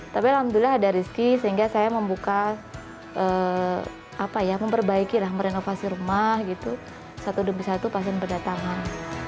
tapi alhamdulillah ada rizky sehingga saya membuka apa ya memperbaiki lah merenovasi rumah gitu satu demi satu pasien berdatangan